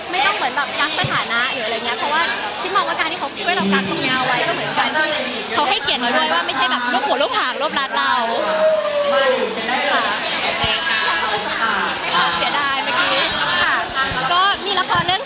ไม่ต้องยักษ์สถาณะอีกหรือไง